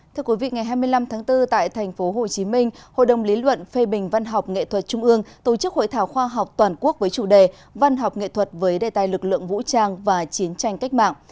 thưa quý vị ngày hai mươi năm tháng bốn tại tp hcm hội đồng lý luận phê bình văn học nghệ thuật trung ương tổ chức hội thảo khoa học toàn quốc với chủ đề văn học nghệ thuật với đề tài lực lượng vũ trang và chiến tranh cách mạng